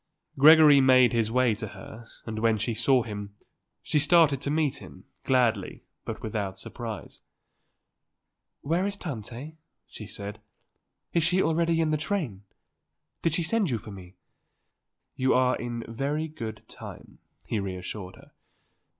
Gregory made his way to her and when she saw him she started to meet him, gladly, but without surprise. "Where is Tante?" she said, "Is she already in the train? Did she send you for me?" "You are in very good time," he reassured her.